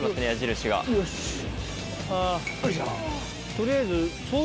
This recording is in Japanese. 取りあえず。